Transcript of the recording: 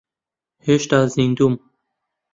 هێشتا زیندووم.